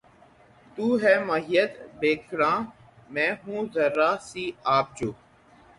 تو ہے محیط بیکراں میں ہوں ذرا سی آب جو